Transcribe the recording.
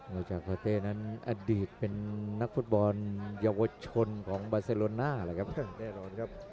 บวจาคอเต้นั้นอดีตเป็นนักฟุตบอลเยาวชนของบาเซโรน่าหรอครับ